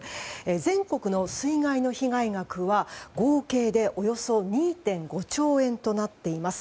全国の水害の被害額は合計でおよそ２．５兆円となっています。